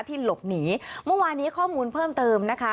หลบหนีเมื่อวานี้ข้อมูลเพิ่มเติมนะคะ